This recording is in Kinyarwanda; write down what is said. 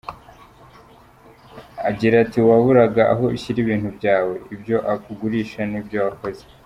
Agira ati “Waburaga aho ushyira ibintu byawe, ibyo ugurisha n’ibyo wakoze.